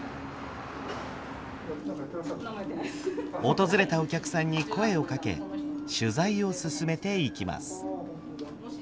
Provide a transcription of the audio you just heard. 訪れたお客さんに声をかけ取材を進めていきます。